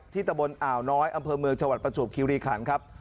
ตะบนอ่าวน้อยอำเภอเมืองจังหวัดประจวบคิริขันครับ